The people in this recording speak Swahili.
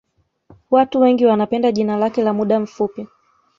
Watu wengi wanapenda jina lake la muda mfupi